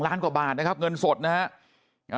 ๒ล้านกว่าบาทนะครับเงินสดนะฮะ